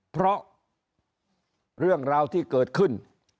เพราะเรื่องราวที่เกิดขึ้น